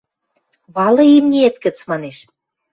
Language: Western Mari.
– Валы имниэт гӹц! – манеш.